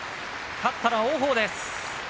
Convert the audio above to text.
勝ったのは王鵬です。